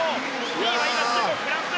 ２位は中国、フランス。